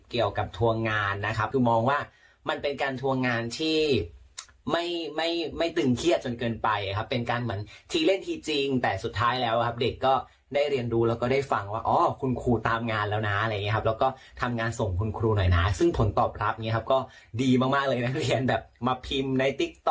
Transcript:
เกี่ยวกับทัวร์งานนะครับคือมองว่ามันเป็นการทวงงานที่ไม่ไม่ตึงเครียดจนเกินไปครับเป็นการเหมือนทีเล่นทีจริงแต่สุดท้ายแล้วครับเด็กก็ได้เรียนรู้แล้วก็ได้ฟังว่าอ๋อคุณครูตามงานแล้วนะอะไรอย่างเงี้ครับแล้วก็ทำงานส่งคุณครูหน่อยนะซึ่งผลตอบรับอย่างนี้ครับก็ดีมากเลยนักเรียนแบบมาพิมพ์ในติ๊กต๊